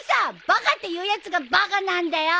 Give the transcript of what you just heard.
バカって言うやつがバカなんだよ！